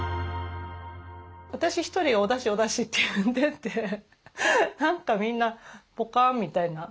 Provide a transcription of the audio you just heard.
私一人おだしおだしって言ってて何かみんなポカーンみたいな。